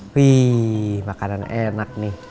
wih makanan enak nih